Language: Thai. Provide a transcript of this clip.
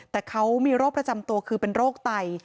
แต่เขามีโรคประจำตัวคือเป็นโรคไต